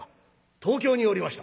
「東京におりました」。